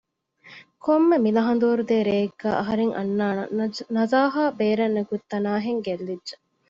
ކޮންމެ މިލަހަނދުވަރު ދޭ ރެއެއްގައި އަހަރެން އަންނާނަން ނަޒާހާ ބޭރަށް ނިކުތްތަނާހެން ގެއްލިއްޖެ